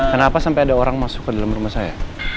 kenapa sampai ada orang masuk ke dalam rumah saya